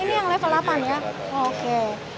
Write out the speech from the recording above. ini yang level delapan ya oke